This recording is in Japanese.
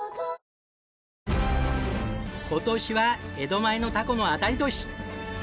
今年は江戸前のタコの当たり年！